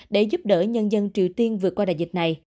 để giúp đỡ nhân dân triều tiên vượt qua đại dịch này